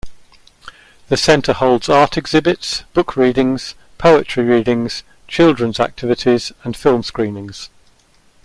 The centre holds art exhibits, book readings, poetry readings, children's activities and film screenings.